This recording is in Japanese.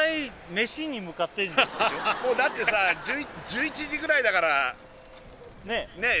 確かにもうだってさ１１時ぐらいだからねえ